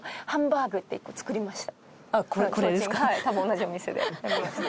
多分同じお店で買いました。